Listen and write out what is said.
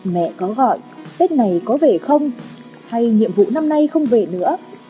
mẹ có gọi tết này có vẻ không hay nhiệm vụ năm nay không về nữa